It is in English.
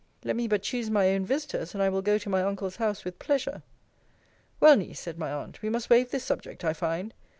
Let me but choose my own visiters, and I will go to my uncle's house with pleasure. Well, Niece, said my aunt, we must wave this subject, I find.